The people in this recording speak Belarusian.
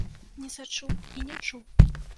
Не сачу і не чуў.